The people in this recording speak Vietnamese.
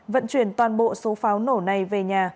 vận chuyển toàn bộ số pháo nổ này về nhà